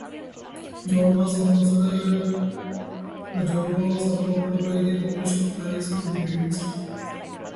John was supported by the population of Paris and the University.